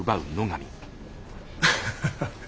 ハハハハ。